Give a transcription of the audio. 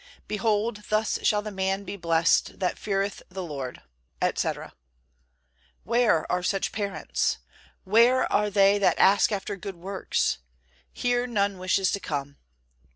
Behold, thus shall the man be blessed, that feareth the Lord," etc. Where are such parents? Where are they that ask after good works? Here none wishes to come.